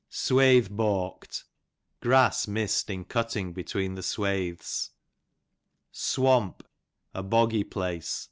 Swathe bawkt, grass miss'd in cut ting between the swathes. Swamp, a boggy place.